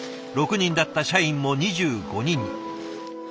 ６人だった社員も２５人に。